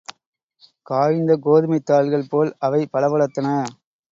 காய்ந்த கோதுமைத் தாள்கள் போல் அவை பளபளத்தன.